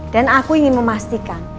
dan aku ingin memastikan